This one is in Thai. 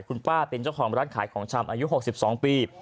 คุณป้าเป็นเจ้าของร้านขายของชำอายุ๖๒ปี